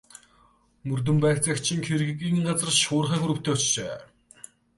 Мөрдөн байцаагч хэргийн газар шуурхай групптэй очжээ.